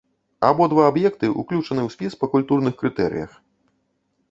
Абодва аб'екты ўключаны ў спіс па культурных крытэрыях.